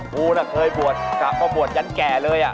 พูดน่ะเคยบวชบวชยั้นแก่เลย